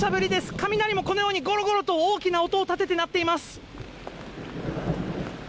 雷もこのようにごろごろと大きな音を立てて鳴っています。